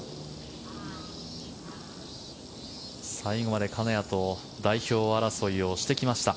最後まで代表争いをしてきました。